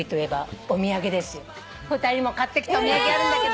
２人にも買ってきたお土産あるんだけど。